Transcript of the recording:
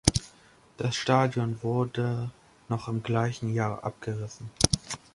Das Stadion wurde noch im gleichen Jahr abgerissen.